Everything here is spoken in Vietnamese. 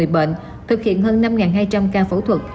bệnh thực hiện hơn năm hai trăm linh ca phẫu thuật